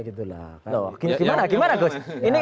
gitu lah gimana gimana